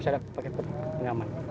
harus pakai pengaman